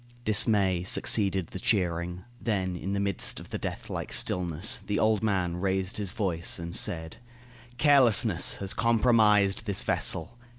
Dismay succeeded the cheering. Then in the midst of the death like stillness, the old man raised his voice and said: "Carelessness has compromised this vessel.